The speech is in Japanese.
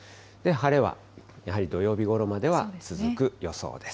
晴れはやはり土曜日ごろまでは続く予想です。